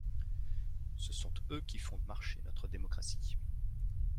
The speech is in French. Ce sont eux qui font marcher notre démocratie